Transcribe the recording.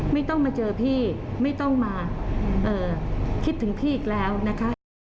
ไม่ต้องมาเจอพี่ไม่ต้องมาคิดถึงพี่อีกแล้วนะคะ